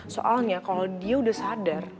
soalnya kalau dia udah sadar